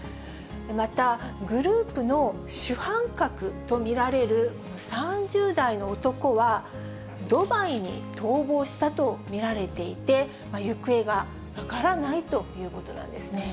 また、グループの主犯格と見られる３０代の男は、ドバイに逃亡したと見られていて、行方が分からないということなんですね。